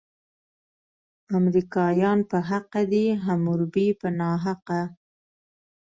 امریکایان په حقه دي، حموربي په ناحقه.